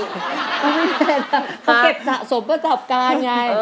เก็บสะสมก็จับการไง